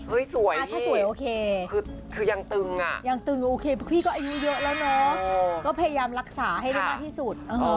ถ้าสวยโอเคคือยังตึงอ่ะยังตึงโอเคพี่ก็อายุเยอะแล้วเนาะก็พยายามรักษาให้ได้มากที่สุด